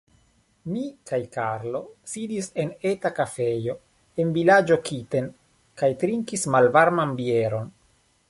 Mi kaj Karlo sidis en eta kafejo en vilaĝo Kiten kaj trinkis malvarman bieron.